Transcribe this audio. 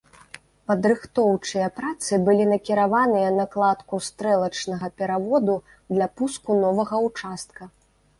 Падрыхтоўчыя працы былі накіраваныя на кладку стрэлачнага пераводу для пуску новага ўчастка.